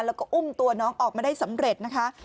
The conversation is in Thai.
แล้วก็อุ้มตัวน้องออกมาได้สำเร็จนะคะ